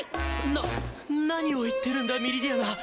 な何を言ってるんだミリディアナ。